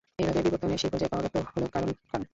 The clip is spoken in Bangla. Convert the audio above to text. এইভাবে, বিবর্তনের সেই পর্যায়ে অব্যক্ত হল "কারণ-কারণ"।